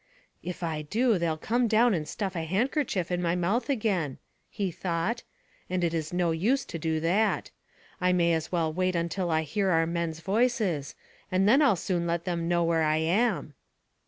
"If I do, they'll come down and stuff a handkerchief in my mouth again," he thought, "and it is no use to do that. I may as well wait till I hear our men's voices, and then I'll soon let them know where I am."